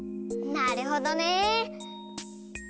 なるほどね。